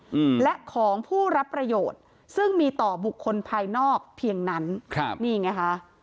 อืมและของผู้รับประโยชน์ซึ่งมีต่อบุคคลภายนอกเพียงนั้นครับนี่ไงค่ะ